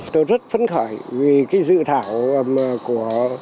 tôi rất phấn khởi vì cái dự thảo của